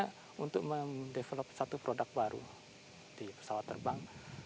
kita mem develop satu produk baru di pesawat terbang